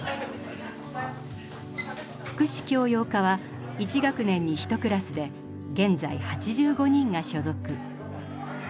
福祉教養科は１学年に１クラスで現在８５人が所属。